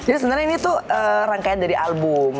sebenarnya ini tuh rangkaian dari album